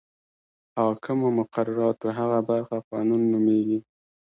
حاکمو مقرراتو هغه برخه قانون نومیږي.